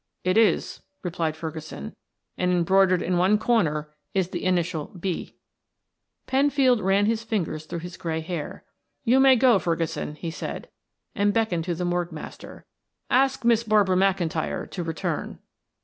"It is," replied Ferguson. "And embroidered in one corner is the initial 'B.'" Penfield ran his fingers through his gray hair. "You may go, Ferguson," he said, and beckoned to the morgue master. "Ask Miss Barbara McIntyre to return."